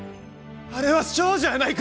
あれは少女やないか！